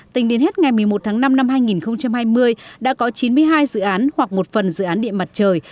tính đến hết ngày một mươi một tháng năm năm hai nghìn hai mươi đã có chín mươi hai dự án hoặc một phần dự án điện mặt trời